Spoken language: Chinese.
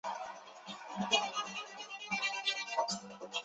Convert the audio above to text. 由廿七名司铎名管理廿四个堂区。